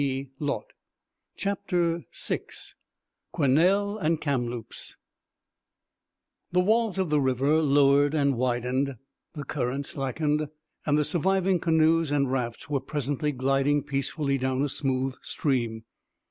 CHAPTER VI QUESNEL AND KAMLOOPS The walls of the river lowered and widened, the current slackened, and the surviving canoes and rafts were presently gliding peacefully down a smooth stream.